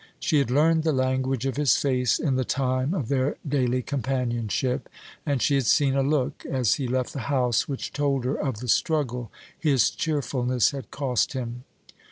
She had learned the language of his face in the time of their daily companionship, and she had seen a look as he left the house which told her of the struggle his cheerfulness had cost him.